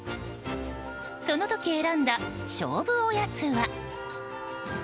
その時選んだ勝負おやつは。